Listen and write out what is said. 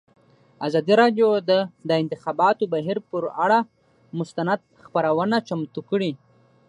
ازادي راډیو د د انتخاباتو بهیر پر اړه مستند خپرونه چمتو کړې.